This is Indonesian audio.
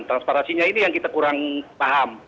transparansinya ini yang kita kurang paham